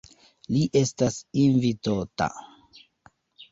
Li estas invitota.